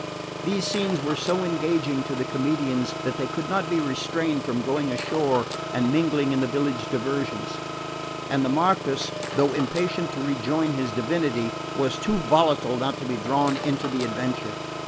These scenes were so engaging to the comedians that they could not be restrained from going ashore and mingling in the village diversions; and the Marquess, though impatient to rejoin his divinity, was too volatile not to be drawn into the adventure.